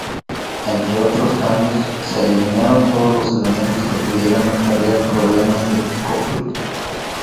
Entre otros cambios, se eliminaron todos los elementos que pudieran acarrear problemas de copyright.